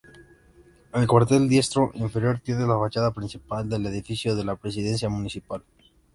El cuartel diestro inferior tiene la fachada principal del edificio de la presidencia municipal.